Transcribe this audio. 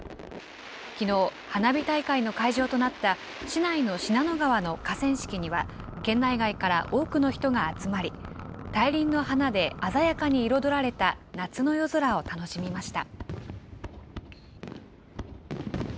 きのう、花火大会の会場となった市内の信濃川の河川敷には、県内外から多くの人が集まり、大輪の花で鮮やかに彩られた夏の夜空を楽しみました。